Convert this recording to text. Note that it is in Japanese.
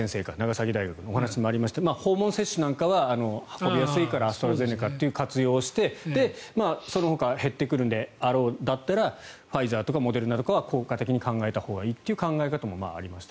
先生のお話にもありましたが訪問接種なんかは運びやすいからアストラゼネカという活用をしてそのほか減ってくるようだったらファイザーとかモデルナとかは効果的に考えたほうがいいというお話もありました。